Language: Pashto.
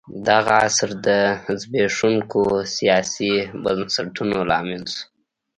دغه عصر د زبېښونکو سیاسي بنسټونو لامل شو.